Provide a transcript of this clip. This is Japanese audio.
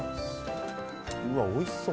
うわおいしそう！